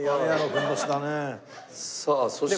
さあそして。